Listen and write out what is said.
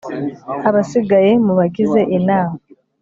abasigaye mu bagize Inama